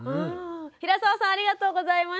平澤さんありがとうございました。